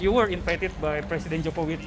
apakah anda dijemput oleh presiden joko widodo